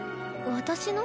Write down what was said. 私の？